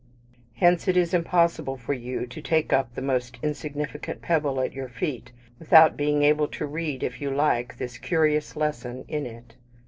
Hence, it is impossible for you to take up the most insignificant pebble at your feet, without being able to read, if you like, this curious lesson in it.